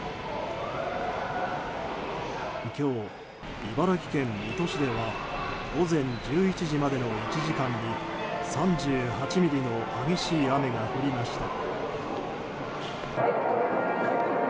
今日、茨城県水戸市では午前１１時までの１時間に３８ミリの激しい雨が降りました。